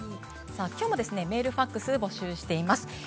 きょうもメールファックスを募集しています。